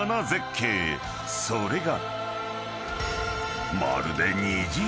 ［それが］